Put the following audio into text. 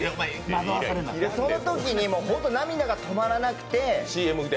そのときにもう本当に涙が止まらなくて。